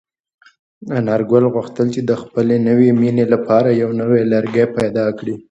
انارګل غوښتل چې د خپلې نوې مېنې لپاره یو نوی لرګی پیدا کړي.